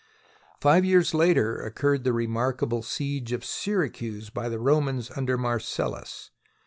Five years later occurred the remarkable siege of Syracuse by the Romans under Marcellus.